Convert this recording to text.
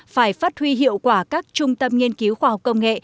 phải phát huy hiệu quả các trung tâm nghiên cứu khoa học công nghệ